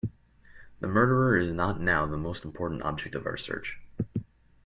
The murderer is not now the most important object of our search.